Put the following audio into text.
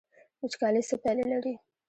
وچکالي څه پایلې لري؟